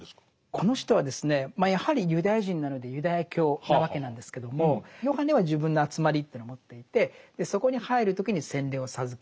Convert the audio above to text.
この人はですねやはりユダヤ人なのでユダヤ教なわけなんですけどもヨハネは自分の集まりというのを持っていてそこに入る時に洗礼を授ける。